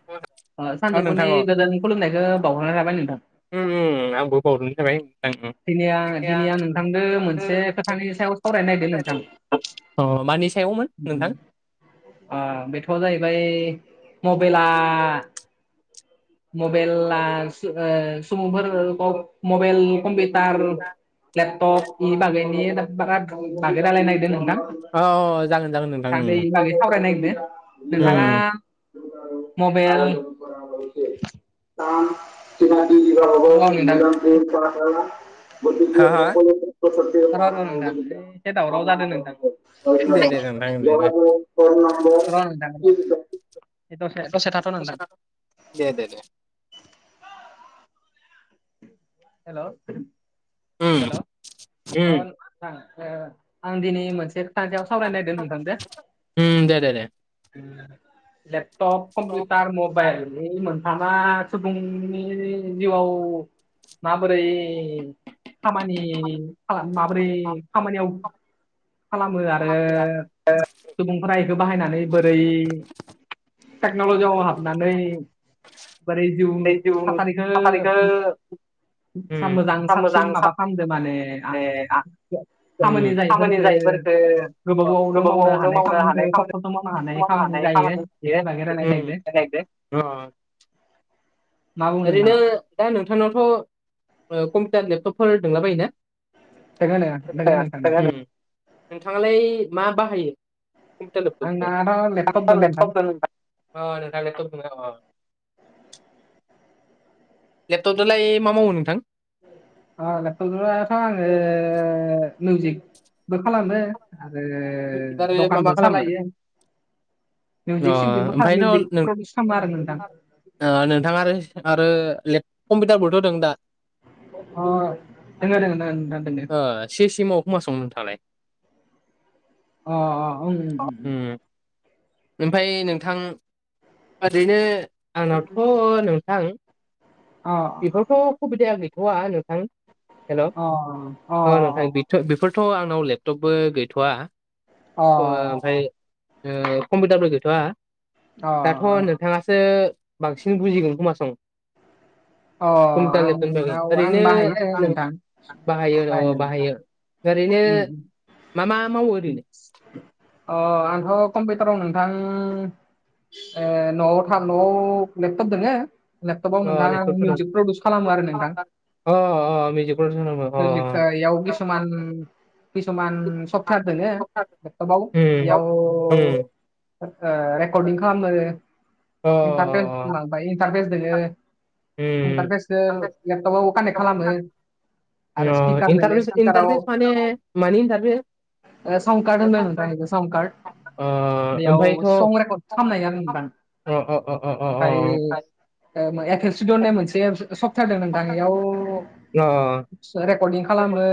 अ [inaudible] सानजौफुनि गोजोननि खुलुमनायखौ बावहरनाय थाबाय नोंथां उम उम आंबो बावदों जाबाय नोंथां दि दिनैयां नोंथांजों मोनसे खोथानि सायाव सावरायनो नागिरदों नोंथां अ मानि सायावमोन नोंथां अ बेथ'आ जाहैबाय मबाइला मबाइला समफोर मबाइल कम थार लेपटप बागै ने बाराद बागै रायजलायनो नागिरदो नोंथां अ जागोन जागोन नोंथां उम सानै बागै सावरायनो नागिरदों नोथाङा उम मबाइल [unintelligible] हा हा [unintelligible] दे दे नोंथां दे दे [unintelligible] दसे दसे थाथ'र नोंथां दे दे दे हेल' उम हेल' औ उम आं दिनै मोनसे खान्थियाव सावरायनो नायगिरदों नोंथां दे उम दे दे दे लेपटप कम्पिउटार मबाइल बे मोनथामा सुबुंनि जिउआव माबोरै खामानि माबोरै खामानियाव खालामो आरो जिउ सुबुंफोरा बेखौ बाहायनानै बोरै टेक्न'लजियाव हाबनानै बोरै जिउ बे जिउ थासारिखौ साखारिखौ साबसिन मोजां माबा खालामदो माने साब ए खामानि जायोैफोर गोबावावनो गोबावनो मावनो खामानिखौ हानाय सप्तासेआव खामानि मावनो खामानि हानाय जायो बेफोरनि बागै रायलायनो नागिरदों खामानि [unintelligible] मा बुङो नोंथां ओरैनो दा नोंथांनावथ' कम्पिउटार लेपटपफोर दंला दोङो बायोना नोंथां नोंथाङालाय मा बाहायो आंनाथ' लेपटप दं नोंथां [unintelligible] लेपटप दोलाय मा मावो नोंथां अ लेपतपजोंलाय आङो मिउजिकबो खालामो आरो आरो मा दखानबो मा खालामो सालायो अ मिउिक सिमजिकबो ओमफ्रायथ' नों मिउजिक प्रडिउस खालामो आरो नोंथां नोंथाङा आरो आरो लेपटप कम्पिउटारबोथ' दं दा अ दोंडो़ से सि सि मावोखोमालाय नोंथाङा लाय अ अ ओम ओमफ्राय नोंथां ओरैनो आंनावथ' नोंथां अ बेफोरावथ' सुबिदा गैथ'वा नोंथां हेल' अ अ नोंथां अ बेथ' बेफोरथ' आंनाव लेपटपबो गैथ'वा अ ओमफ्राय कम्पिउटारफोर गैथ' अ दाथ' नोंथाङासो बांसिन बुजिगोन खोमासं अ कम्पिउटार आंनाव लेपटप आं नि बाहायो नोंथां बागै ओरैनो आ बाहायो बाहायनो अ बाहायो ओरैनो उम, उम। मा मा मावो ओरैनो अ आंथ' कम्पिउटाराव नोंथां ओ न'वाव थानो न'वाव लेपतप दङो लेपटपाव अ नोंथां आं लेपटपफोराव मिउजिक प्रडिउस खालामो आरो नोंथां अ अ मिउजिकफोर अ अ बेयाव किसुमान कसुमान सपयेत दं उम उम बेयाव रेकर्डिं खालामो आरो अ इन्टारेस इन्टारफेस दं उम इन्टारफेसखौ लेपटप आव कानेक खालामो आरो अ स्पिकार दोङो इन्टारभ स्पिकाराव इारभस मानि मानि इटारभेस साउन्ड कार्ड होनबाय नोंथां साउड कार्ड अ बेयाव ओमफ्रायथ' सं रेकर्ड खालामनाय आरो नोंथां। अ अ अ अ अ अ। एकबस द होननाय मोनसे सप्थार द नथां बेयाव अ औ रेकर्डिं खालामो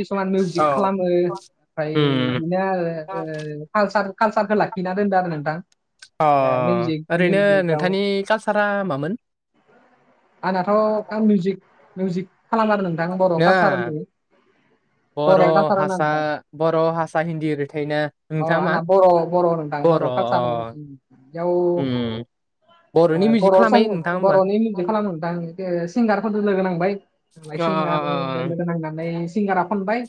किसुमान मिउजिक खालामो ओमफ्राय उम बिदिनो आरोाल कालसारखौ लाखिना दोनदो आरो नोंथां अ मिउजिक ओरैनो मिउजिकआव नोंथांनि कालसारा मामोन? आंनाथ' मिजिक मिउजिक खालाम आरो नोंथां बर' कालसार होन बर' बर'सा नोंथां बर' भासा हिन्दी ओरै थायोना अ नोंथाङ मा आंना बर' बर' होनदां बर' कालारयाव उम बर'नि मिउजिक ब' खालामबाय सांग नोंथाङा होमबा बर'नि बिदि खालाम दां आं सिंगारफोर लोगो नांबाय आंलाय अ सिंगार अ अ लोगो नांनानै सिंगारा खनबाय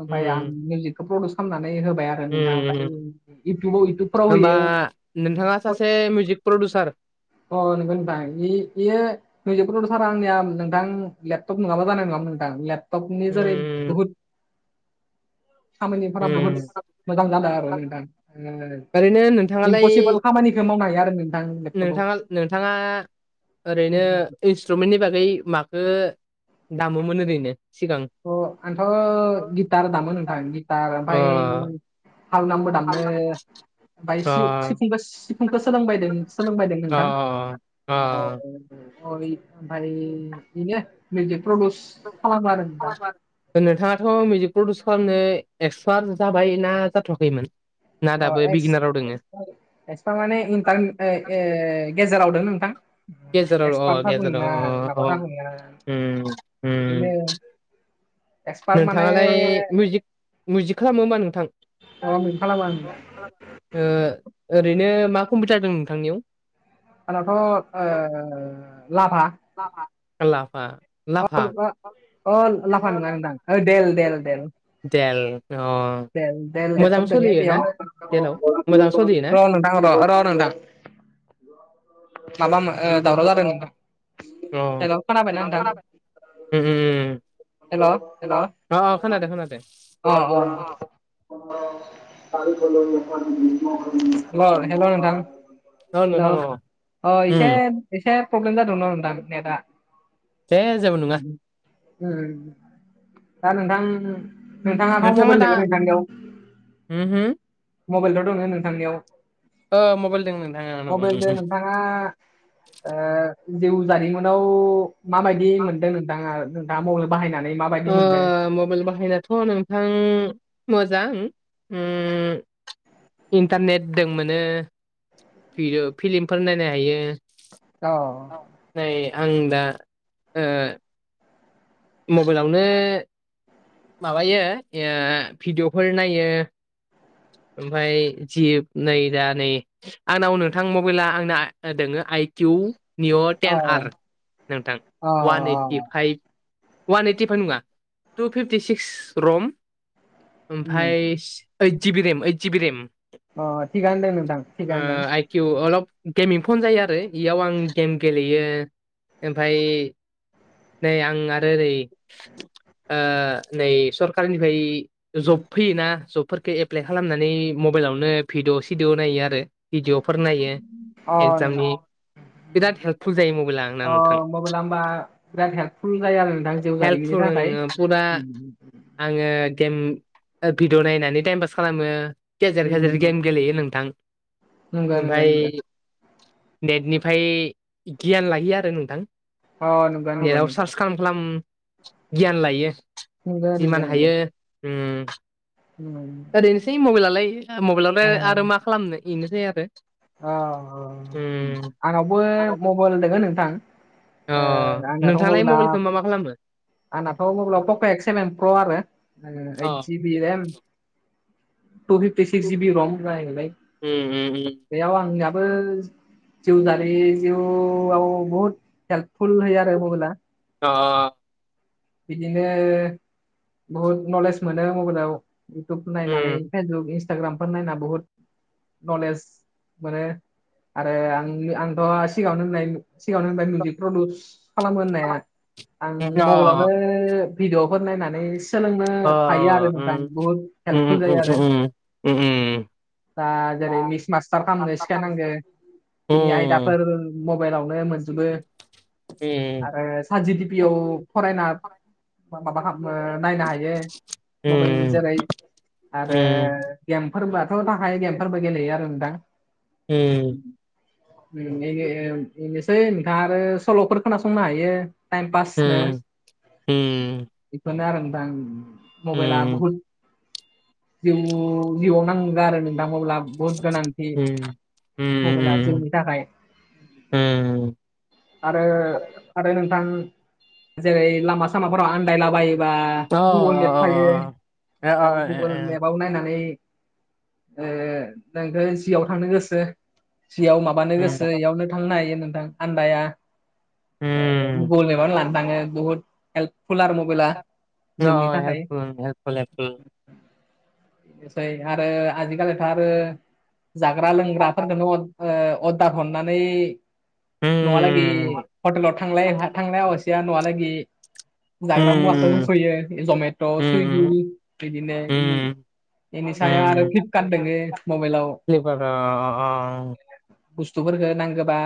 ओमफफ्राय आं उम मिउजिकखौ प्रडिउस खालामनानै होबाय आरो। थां उम उम इउथुबाव इउथुबफोराव होमबा होयो। नोंथाङा सासे मिउजिक प्रडिउसार अ नंगौ नोंथां। नजिबकद सार आंनिया नोंथां लेपटप नङाबा जानाय नङामोन नोंथां लेपटपनि जेरै उम बुहुत खामानिफोरा बुहुत मोजां जादों आरो नोंथां ओरैनो नोंथाङालाय इमपसिबोल खामानिखौ मावनो हायो आरो नोंथां लेपटपाव नोंथाङा ओरैनो सट्रुमेन्टनि बागै माखो दामोमोन ओरैनो सिगां? आंथ' गिटार दामोन नोंथां गिटार अ ओमफफ्राय हावाम खालामो माय अ सिफुं सिफुंखौ सोलोंबायदों सोलोंबायदों अ नोंथां। ाय इ ने प्रदस [unintelligible] औ [unintelligible] नोंथाङाथ' मिउजिक प्रडिउस खालामनो एक्सपार्ट जाबाय ना जाथ'वाखैमोन? ना अ दाबो ए बिगिनाराव दोङो एक्सफ्रा माने इन्टारने गेजेराव दों नोंथां। गेजाराव अ एक्सपार्ट थागौमोन गेजार अ ना माबा अ थागौमोन आं उम उम। बिदिनो एक्सपार्ट माने नोंथाङालाय मिउजिक मिउजिक खालामो होमा नोंथां? खालाम खालाम ओरैनो मा कम्पिउटार जादों नोंथांनियाव? आंनावथ' ओ लाभा आल खालामा अ अ लाफान मांदां देल देल देल देल अ दल द मोजां ग सोलियो र ना जेलाव मोजां सोलियो ना [unintelligible] नांथ'आखै र' नोंथां माबामोन। दावराव जादों नोंथां अ दाय खोनाबायना नोंथां। उम उम। उम हेल अ खोनादों हेल खोनादों अ औ। ेल हेल' नथां [unintelligible] औ हेल' नोंथां अ एसे उम एसे प्रब्लेम जादोंमोन नों दां नेटआ द [unintelligible] दा नोंथां नोंथाङाथ' नोंथाङा मबाइल दा दङो नोंथांनियाव उमहो मबाइलथ' दङ नोंथांनियाव मबाइलजों मबाइलजों नोंथाङा नोंथाङा ओ जिउ जारिमिनाव माबायदि मोनदों नों दा द मावनो बाहायनानै माबायदि मोनदों मबाइल बाहायनाथ' नों थां मोजां उम इन्टारनेट दं मोनो भडिअ फिलिमफोर नायनो हायो। औ। नै आं दा ओ मबाइलावनो माबायो ओ भिडिअ'फोर नायो। ओमफाय जि नै दा नै आंनाव नोंथां मबाइला आंना दोङो आइ किउ निअ अ टेन आर नोंथां अ वान ओइट ओइ फाइभ अवान ओइटि फाइभ नङा टु फिफटि सिक्स रम उम ओमफाय ओइद जिबि रेम ओइद जिबि रेम अ थिगानो दों नोंथां थिगानो दों। किउ अलप गेमिं फन जायो आरो इयाव आं गेम गेलेयो। ओमफाय नै आं आरो ओरै ओ नै सरकारनिफ्राय जब फैयोना जबफोरखो एप्लाइ खालामनानै मबाइलावनो भिडअ-सिडअ नायो आरो भिडिअफोर नायो। अ नोंथां। एगजामनि बिराद हेल्पफुल जायो मबाइला आंना [inaudible] अ नोंथां मबेला होमबा बिराद हेल्पफुल जायो आरो नोंथां जिउ जारिमिननि हेल्पफुल थाखाय आङो फुरा उम उम उम आङो गेम ओ भिडिअ नायनानै टाइम पास खालामो। गेजेर गेजेर गेम गेलेयो नोंथां नंगौ नंगौ नंगौ ओमफाय नेटनिफाय गियान लायो आरो नोंथां। अ नंगौ नंगौ नेटाव नंगौ सार्च खालाम खालाम गियान लायो। नंगौ जिमान हायो उम उ [unintelligible] ओरैनोसै मबाइलाय मबाइलावलाय आरो मा खालामनो इनोसै आरो। औ औ उम आंनावबो मबाइल दोङो नोंथां। अ ओ आंनाथ' नोंथाङालाय मबेइला मबाइलखौ मा मा खालामो आंनाथ' [unintelligible] पक' एक्स सेभेन प्र आरो ओ अ ओइद जि रेम two fifty six G B रम [unintelligible] उम उ उ बैयाव आंनियाबो जिउ जारि जिउआव बहत हेल्पुल होयो आरो मबेला ओ बिदिनो बहुद नलेज मोनो मबेइलाव इउटुब नायनानै उम फेसबुक इन्सटाग्रामफोर नायना बुहद नलेज मोनो। आरो आं आंथ' सिगाङावनो होननाय सिगाङावनो होनबाय मिउजिक प्रदुउस खालामो होननाया आं अ मबाइलावनो भिडिअ'फोर नायनानै सोलोंनो अ हायो आरो उम नोंथां बुहुत हेल्पफुल जायो आरो। दा जेरै मिक्स मास्टार खालामनो सिखायनांगो बिनि आयदाफोर मबाइलावनो मोनजोबो आरो साट जि टि पि याव फरायना बा माबा खाम ओ नायनो हायो। मबाइलनि जोरै आरो गेमफोरबोआथ' थाखायो गेमफोरबो गेलेयो आरो नोंथां। उम। उम बेनो ओ इनोसै नोंथाङा आरो सल'फोर खोनासंनो हायो टाइम पासनो। हम बेफोरनो आरो नोंथां मबाइला बुहुद जिउ जिउआव नांगो आरो नोंथां मबाइला बहुद गोनांथि मबेला जोंनि थाखाय। आरो आरो नोंथां। जेरै लामा सामाफोराव आनदायला बायोबा गुगोल मेप फायो बेयाव गुगोल मेपाव नायनानै ओ नोंखौ जियाव थांनो गोसो सियाव माबा माबानो गोसो इयावनो थांनो हायो नोंथां आन्दाया ओ गुगोल मेपानो लाना थाङो। बत हेल्पफुल आरो मबेला अ हेल्पफुल हेल्पफुल एसै आरो आजिखालिथ' आरो जाग्रा लोंग्राफोरखौनो अर्दार हरनानै नवालागि हटेलाव थांलाय थांलाया हसिया नवालागि जाग्रा मुवाखौ सयो जमेट' सुइगि बिदिनो इनि बेनि सायाव आरो फ्लिपकार्ट दङ मबाइलाव क्लिक्कारा अ अ अ बुसथुफोरखौ नांगौबा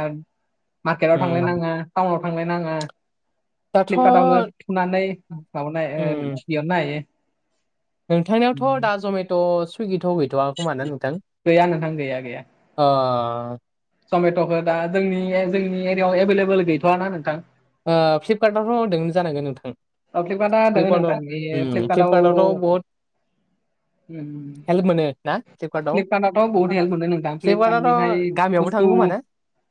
मार्केटाव थांलाय उम नाङा टाउनाव थांलायनाङा दाथ' फ्लिपकार्टावनो थुनानै माबानो हायो उम दिहुरनो हायो नोंथांनियावथ' दा जमेट' सुइगिथ' गैथ'वा खोमा ना नोंथां गैया नोंथां गैया गैया अ जमेट'खौ दा जोंनि जोंनि एरियायाव एभेलेबोल गैथ'आ ना नोंथां ओ फ्लिपकार्टआवथ' होनदोंनो जानांगोन नोंथां औ फ्लिपकार्टा होदों फ्लिपकार्टआव नोंथां बे उम फ्लिपकार्टाव फ्लिपकार्टआवथ' बहुत हेल्प मोनो ना फ्लिपकार्टआव फ्लिपकार्ट आथ' बहुत हेल्प मोनो नोंथां फ्लिपकार्टनिफ्राय फ्लिपकार्टआवथ' गामियावबो बुस्थु थाङो खोमा ने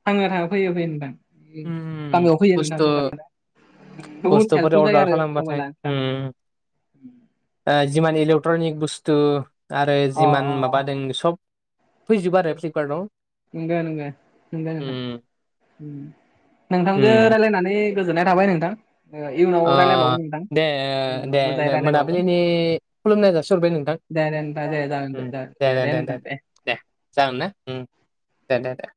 थाङो थाङो फैयो फैयो नोंथां गामियाव फै बुसथु बुसथुफोर हेल्पफुल जायो अर्दार आरो खालामबाथाय मबाइला नोंथां ओम जिमानि इलेक्ट्रनिक बुसथु आरो अ जिमान अ माबादों सब फैजोबो आरो फ्लिपकार्टआव नंगौ नंगौ नंगौ उम नोंथां नोंथांजों उम रायज्लायनानै गोजोननाय थाबाय नोंथां इयुनाव ओ रायलायबावगोन नोंथां दे दे मोजाङै दे रायलायबावगोन मोनाबिलिनि खुलुमनाय जासिहरबाय नोंथां दे दे नोंथां दे जागोन दे जागोन दे दे नोंथां दे जागोनना ओम दे दे दे